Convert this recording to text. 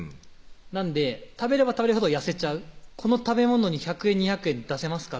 なんで食べれば食べるほど痩せちゃうこの食べ物に１００円２００円出せますか？